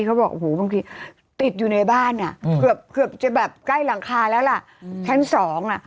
เขาบอกโอ้โหบางทีติดอยู่ในบ้านอ่ะเกือบเกือบจะแบบใกล้หลังคาแล้วล่ะชั้นสองอ่ะ